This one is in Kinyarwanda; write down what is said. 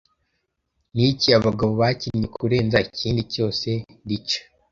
Niki abagabo bakinnye kurenza ikindi kintu cyose Dice